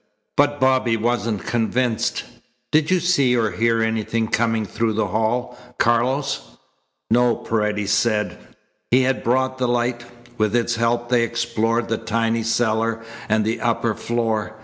But Bobby wasn't convinced. "Did you see or hear anything coming through the hall, Carlos?" "No," Paredes said. He had brought the light. With its help they explored the tiny cellar and the upper floor.